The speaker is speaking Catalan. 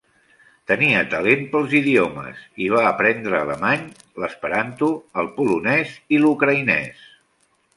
Tenia talent pels idiomes, i va aprendre l'alemany, l'esperanto, el polonès i l'ucraïnès.